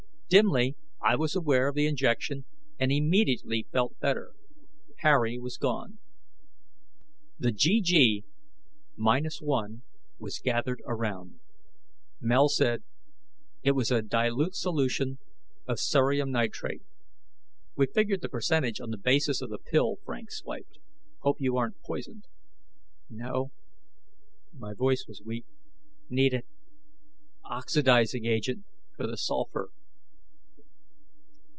Dimly, I was aware of the injection, and immediately felt better. Harry was gone. The GG, minus one, was gathered around. Mel said, "It was a dilute solution of cerium nitrate. We figured the percentage on the basis of the pill Frank swiped. Hope you aren't poisoned." "No." My voice was weak, "Need it. Oxidizing agent for the sulfur."